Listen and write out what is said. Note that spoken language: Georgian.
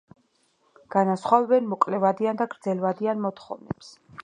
განასხვავებენ მოკლევადიან და გრძელვადიან მოთხოვნებს.